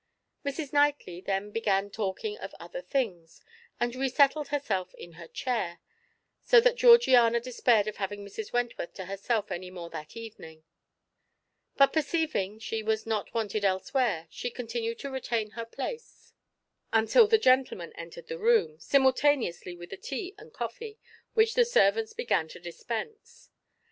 Mrs. Knightley then began talking of other things, and resettled herself in her chair, so that Georgiana despaired of having Mrs. Wentworth to herself any more that evening; but perceiving she was not wanted elsewhere, she continued to retain her place until the gentlemen entered the room, simultaneously with the tea and coffee, which the servants began to dispense.